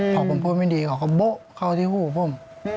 พอผมพูดไม่ดีเขาก็โบ๊ะเข้าที่หูผม